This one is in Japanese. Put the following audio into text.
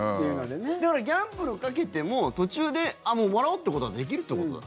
ギャンブルかけても途中で、もらおうということはできるということだ。